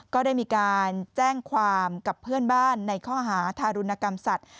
ก็ได้มีการแจ้งความกับเพื่อนบ้านในข้อหาทารุณกรรมสัตว